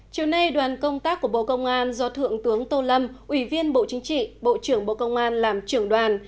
chiều nay đoàn công tác của bộ công an do thượng tướng tô lâm ủy viên bộ chính trị bộ trưởng bộ công an làm trưởng đoàn